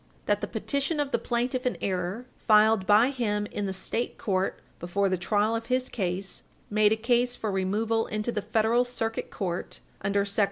That the petition of the plaintiff in error, filed by him in the State court before the trial of his case, made a case for removal into the Federal Circuit Court under sect.